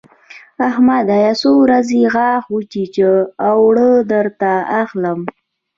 احمده! يو څو ورځې غاښ وچيچه؛ اوړه درته اخلم.